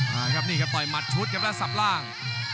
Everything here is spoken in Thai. มาครับนี่ครับต่อยหมัดชุดครับแล้วสับล่าง